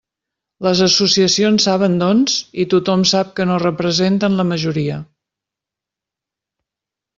Les associacions saben, doncs, i tothom sap que no representen la majoria.